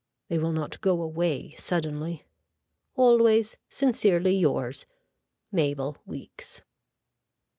They will not go away suddenly. Always sincerely yours. Mabel Weeks.